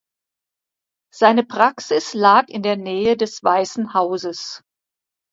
Seine Praxis lag in der Nähe des Weißen Hauses.